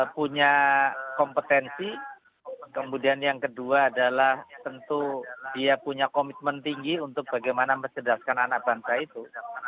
punya kompetensi kemudian yang kedua adalah tentu dia punya komitmen tinggi untuk bagaimana mencerdaskan anak bangsa itu